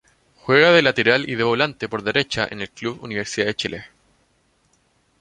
Juega de lateral y de volante por derecha en el club Universidad de Chile.